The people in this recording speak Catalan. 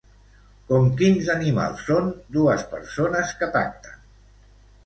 Com quins animals són dues persones que pacten?